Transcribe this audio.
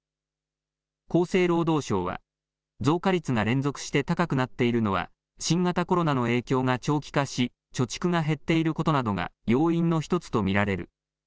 厚生労働省は増加率が連続して高くなっているのは新型コロナの影響が長期化し貯蓄が減っていることなどが要因の１つと見られる。